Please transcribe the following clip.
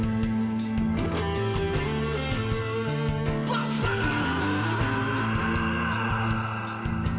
−“バッファロー！！”